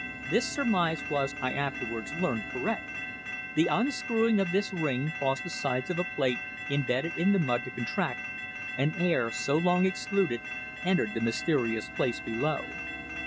This surmise was, I afterwards learned, correct. The unscrewing of this ring caused the sides of a plate embedded in the mud to contract, and air, so long excluded, entered the mysterious place below.